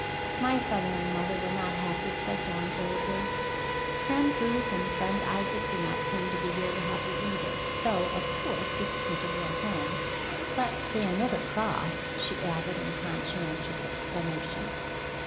"My father and mother were not happy," said Dawn gravely. "Friend Ruth and Friend Isaac do not seem to be very happy either, though of course this isn't a real home. But they are never cross," she added in conscientious explanation.